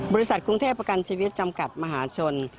บริษัทกรุงเทพประกันชีวิตจำกัดมหาชน